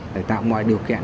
để tạo mọi điều kiện